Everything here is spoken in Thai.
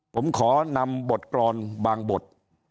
ผมขอนำบทกรอนบางบท